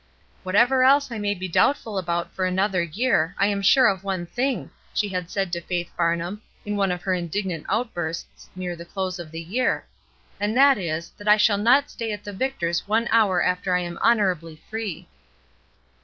''Whatever else I maybe doubtful about for another year, I am sure of one thing," she had said to Faith Farnham, in one of her indignant outbursts, near the close of the year, "and that is, that I shall not stay at the Victors one hour after I am honorably free."